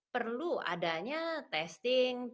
perlu adanya testing